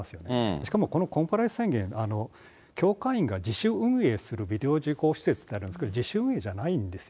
しかも、このコンプライアンス宣言、教会員が自主運営するビデオ受講施設ってあるんですけど、自主運営じゃないんですよ。